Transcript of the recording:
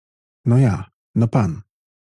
No ja. No pan.